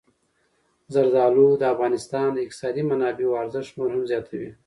زردالو د افغانستان د اقتصادي منابعو ارزښت نور هم زیاتوي.